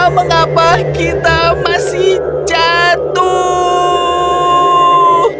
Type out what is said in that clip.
mengapa kita masih jatuh